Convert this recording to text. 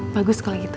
bagus kalau gitu